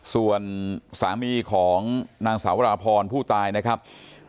ส่วนสามีของนางสาวราพรผู้ตายนะครับ